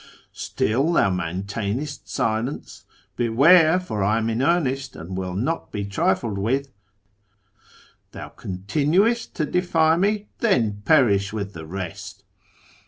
... Still thou maintainest silence ? Beware, for I am in earnest, and will not be trifled with. ... Thou continuest to defy me ? Then perish with the rest